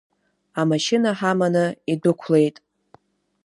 Амашьына ҳаманы идәықәлеит…